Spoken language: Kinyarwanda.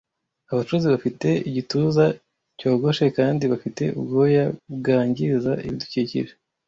Abacuzi bafite igituza cyogoshe kandi bafite ubwoya bwangiza ibidukikije,